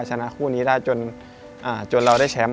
ชนะคู่นี้ได้จนเราได้แชมป์